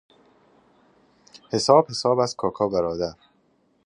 حساب حساب است کا کا برادر.